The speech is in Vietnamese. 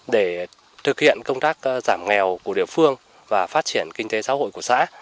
để thực hiện công tác giảm nghèo của địa phương và phát triển kinh tế xã hội của xã